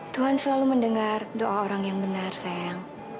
tuhan selalu mendengar doa orang yang benar sayang